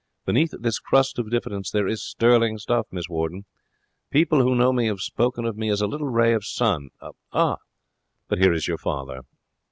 Beneath this crust of diffidence there is sterling stuff, Miss Warden. People who know me have spoken of me as a little ray of sun But here is your father.'